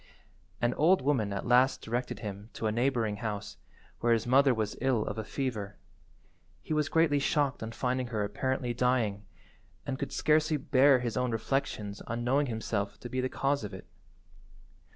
An old woman at last directed him to a neighbouring house, where his mother was ill of a fever. He was greatly shocked on finding her apparently dying, and could scarcely bear his own reflections on knowing himself to be the cause of it.